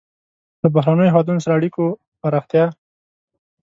له بهرنیو هېوادونو سره اړیکو پراختیا.